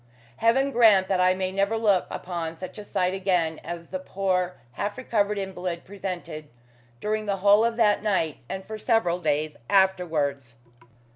Heaven grant that I may never look upon such a sight again as the poor, half recovered invalid presented during the whole of that night and for several days afterwards.